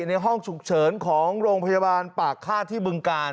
ในห้องฉุกเฉินของโรงพยาบาลปากฆาตที่บึงกาล